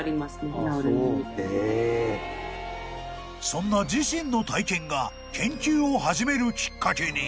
［そんな自身の体験が研究を始めるきっかけに］